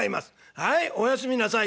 はいお休みなさい」。